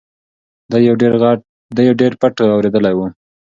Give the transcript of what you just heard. ده یو ډېر پټ غږ اورېدلی و.